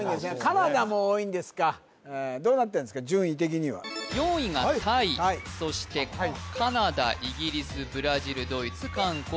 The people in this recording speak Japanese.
カナダも多いんですかどうなってんすか順位的には４位がタイそしてカナダイギリスブラジルドイツ韓国